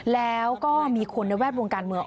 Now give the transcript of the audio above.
แล้วก็มีคนในแวดวงการเมือง